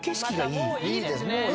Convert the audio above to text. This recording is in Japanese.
いいっすね。